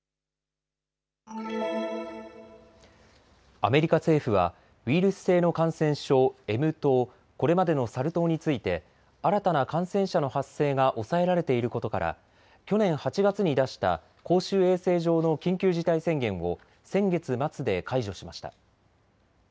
アメリカ政府はウイルス性の感染症、Ｍ痘、これまでのサル痘について新たな感染者の発生が抑えられていることから去年８月に出した公衆衛生上の緊急事態宣言を先月末で解除しました。